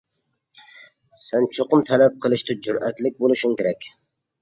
سەن چوقۇم تەلەپ قىلىشتا جۈرئەتلىك بولۇشۇڭ كېرەك.